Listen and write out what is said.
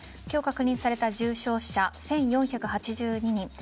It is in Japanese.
今日確認された重症者は１４８２人。